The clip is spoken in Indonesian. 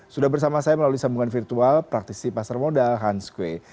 sudah bersama saya melalui sambungan virtual praktisi pasar modal hans kue